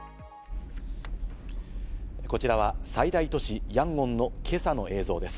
こちらは最大都市ヤンゴンの今朝の映像です。